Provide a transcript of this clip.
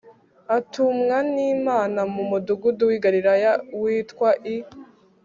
atumwa n imana mu mudugudu w i galilaya witwa i